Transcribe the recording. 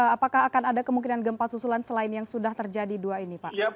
apakah akan ada kemungkinan gempa susulan selain yang sudah terjadi dua ini pak